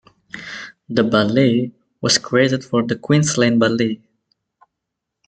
The Ballet, was created for the Queensland Ballet.